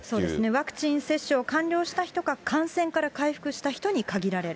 ワクチン接種を完了した人か、感染から回復した人に限られる。